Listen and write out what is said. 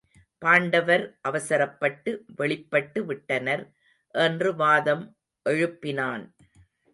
பாண்டவர் அவசரப்பட்டு வெளிப்பட்டு விட்டனர் என்று வாதம் எழுப்பினான்.